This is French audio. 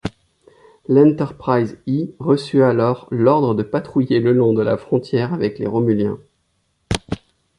L'Enterprise-E reçut alors l'ordre de patrouiller le long de la frontière avec les Romuliens.